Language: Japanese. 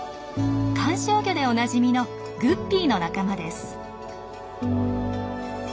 観賞魚でおなじみのグッピーの仲間です。